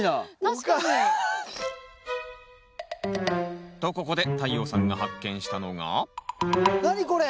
確かに。とここで太陽さんが発見したのが何これ？